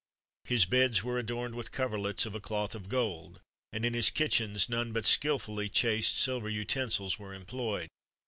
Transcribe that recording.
His beds were adorned with coverlets of a cloth of gold, and in his kitchens none but skilfully chased silver utensils were employed.